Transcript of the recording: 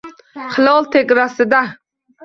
Hilol tegrasida